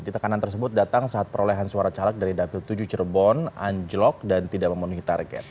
ditekanan tersebut datang saat perolehan suara caleg dari dapil tujuh cirebon anjlok dan tidak memenuhi target